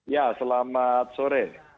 ya selamat sore